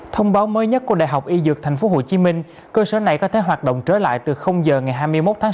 thông báo mới nhất của đại học y dược tp hcm cơ sở này có thể hoạt động trở lại từ giờ ngày hai mươi một tháng hai